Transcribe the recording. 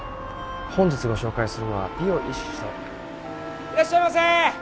「本日ご紹介するのは美を意識した」いらっしゃいませ！